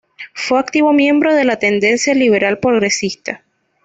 Fue activo miembro de la tendencia liberal progresista.